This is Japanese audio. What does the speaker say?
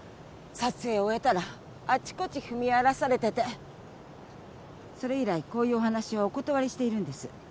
撮影終えたらあちこち踏み荒らされててそれ以来こういうお話はお断りしているんです